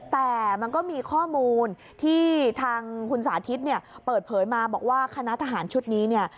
แต่มันก็มีข้อมูลที่ทางคุณสาธิตเนี่ยเปิดเผยมาบอกว่าคณะทหารชุดนี้เนี่ย